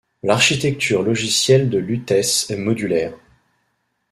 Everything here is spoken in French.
L'architecture logicielle de Lutèce est modulaire.